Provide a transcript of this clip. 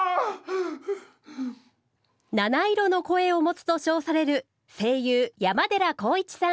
七色の声を持つと称される声優山寺宏一さん。